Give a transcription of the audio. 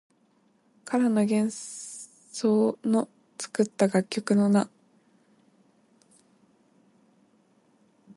唐の玄宗の作った楽曲の名。